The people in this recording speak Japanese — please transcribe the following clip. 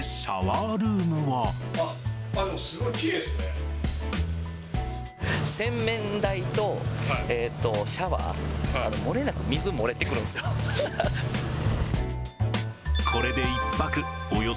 ーせんめんだいとシャワー、漏れなく水漏れてくるんですよ。